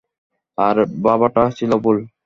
আর ভাবাটা ছিল ভুল।